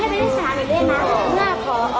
เมื่อ